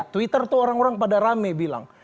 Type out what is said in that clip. twitter tuh orang orang pada rame bilang